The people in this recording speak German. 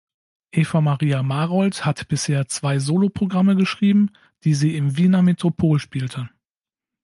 Eva Maria Marold hat bisher zwei Soloprogramme geschrieben, die sie im Wiener Metropol spielte.